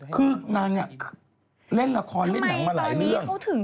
คือนางเนี่ยเล่นละครเล่นหนังมาหลายเรื่อง